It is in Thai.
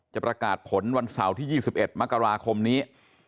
ประกาศผลวันเสาร์ที่๒๑มกราคมนี้